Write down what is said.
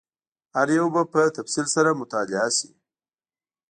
هر یو به په تفصیل سره مطالعه شي.